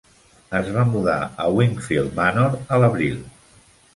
Es va mudar a Wingfield Manor a l'abril.